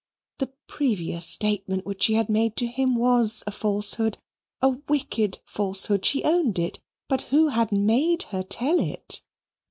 The previous statement which she had made to him was a falsehood a wicked falsehood she owned it. But who had made her tell it?